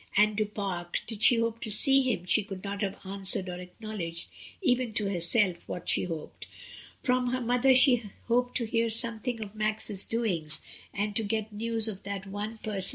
And Du Pare, did she hope to see him? She could not have answered or acknowledged, even to herself, what she hoped. From her mother she hoped to hear something of Max's doings, and to get news of that one person 1 66 MRS. DYMOND.